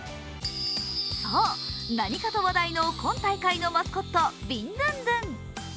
そう、何かと話題の今大会のマスコット・ビンドゥンドゥン。